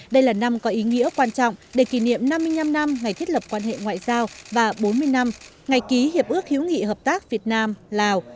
đây là năm có ý nghĩa quan trọng để kỷ niệm năm mươi năm năm ngày thiết lập quan hệ ngoại giao và bốn mươi năm ngày ký hiệp ước hữu nghị hợp tác việt nam lào